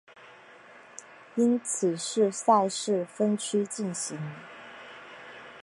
因此该赛事分区进行。